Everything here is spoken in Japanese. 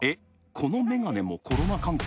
この眼鏡もコロナ関係？